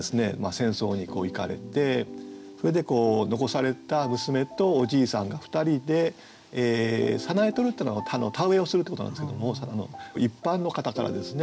戦争に行かれてそれで残されたむすめとおじいさんが二人で「早苗とる」っていうのは田植えをするってことなんですけども一般の方からですね